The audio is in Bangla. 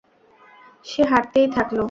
সে হাঁটতেই থাকলো।